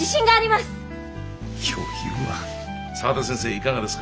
いかがですか？